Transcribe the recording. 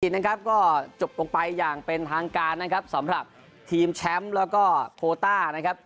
นะครับก็จบลงไปอย่างเป็นทางการนะครับสำหรับทีมแชมป์แล้วก็โคต้านะครับ